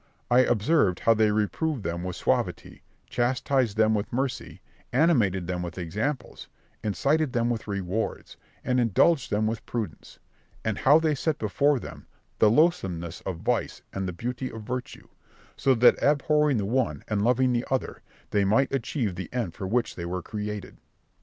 I observed how they reproved them with suavity, chastised them with mercy, animated them with examples, incited them with rewards, and indulged them with prudence; and how they set before them the loathsomeness of vice and the beauty of virtue, so that abhorring the one and loving the other, they might achieve the end for which they were created.